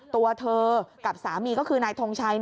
ตัวเธอกับสามีก็คือนายทงชัย